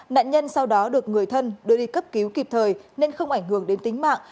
nạn nhân sau đó được người thân đưa đi cấp cứu kịp thời nên không ảnh hưởng đến tính mạng